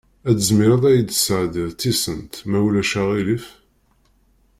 Ad tizmireḍ ad iyi-d-tesɛeddiḍ tisent, ma ulac aɣilif?